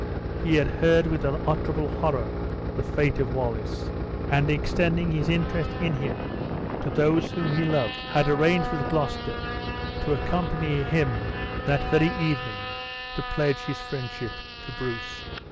He had heard with unutterable horror the fate of Wallace; and extending his interest in him to those whom he loved, had arranged with Gloucester to accompany him that very evening to pledge his friendship to Bruce.